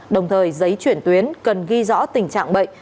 đồng thời giấy chuyển tuyến cần ghi rõ tình trạng bệnh